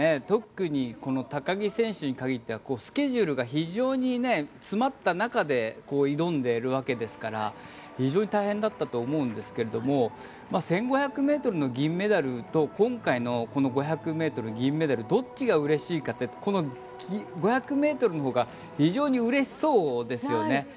特にこの高木選手に限ってはスケジュールが非常に詰まった中で挑んでいるわけですから非常に大変だったと思うんですが１５００ｍの銀メダルと今回のこの５００ｍ、銀メダルどっちがうれしいかって５００ｍのほうが非常にうれしそうですよね。